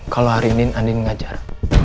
kalau hari ini andin mengajar